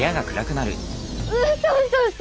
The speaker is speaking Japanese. うそうそうそ！